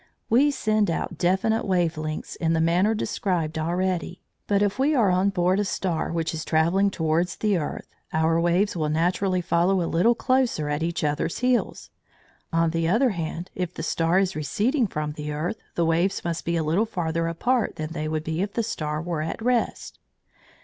We send out definite wave lengths in the manner described already. But if we are on board a star which is travelling towards the earth, our waves will naturally follow a little closer at each other's heels. On the other hand, if the star is receding from the earth, the waves must be a little farther apart than they would be if the star were at rest.